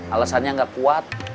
alasannya gak kuat